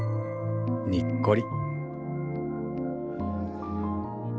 にっこり。